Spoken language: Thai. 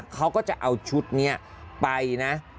เขาก็จะเอาชุดนี้ไปนะ